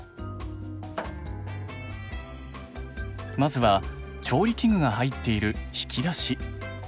まずは調理器具が入っている引き出し。